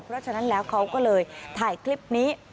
เพราะฉะนั้นแล้วเขาก็เลยถ่ายคลิปนี้